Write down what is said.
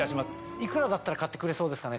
幾らだったら買ってくれそうですかね？